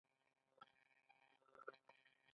رنګ ولې بدلیږي؟